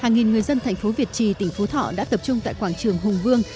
hàng nghìn người dân thành phố việt trì tỉnh phú thọ đã tập trung tại quảng trường hùng vương